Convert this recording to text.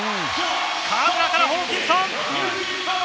河村からホーキンソン。